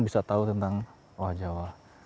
bisa tahu tentang oa jawa